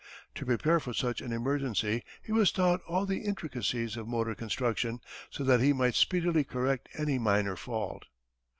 To prepare for such an emergency he was taught all the intricacies of motor construction, so that he might speedily correct any minor fault.